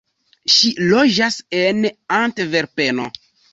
Ŝi loĝas en Antverpeno.